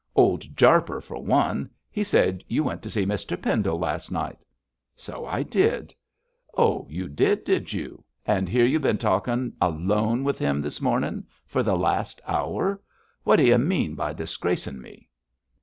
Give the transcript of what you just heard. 'Old Jarper, for one. He said you went to see Mr Pendle last night.' 'So I did.' 'Oh, you did, did you? and here you've bin talking alone with him this morning for the last hour. What d'y mean by disgracing me?'